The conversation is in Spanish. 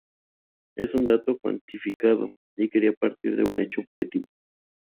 es un dato cuantificado y quería partir de un hecho objetivo